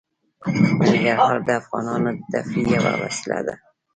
ننګرهار د افغانانو د تفریح یوه وسیله ده.